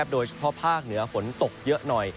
โดยเฉพาะภาคเหนือฝนตกเยอะหน่อย